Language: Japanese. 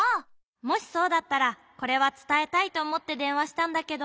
もしそうだったらこれはつたえたいとおもってでんわしたんだけど。